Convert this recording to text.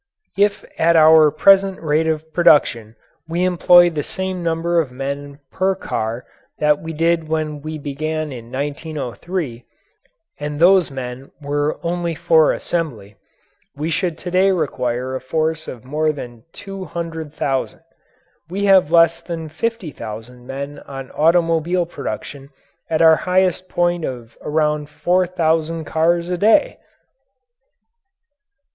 If at our present rate of production we employed the same number of men per car that we did when we began in 1903 and those men were only for assembly we should to day require a force of more than two hundred thousand. We have less than fifty thousand men on automobile production at our highest point of around four thousand cars a day!